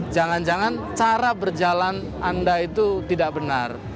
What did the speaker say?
jangan jangan cara berjalan anda itu tidak benar